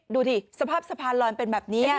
ดูสิสภาพสะพานลอยเป็นแบบนี้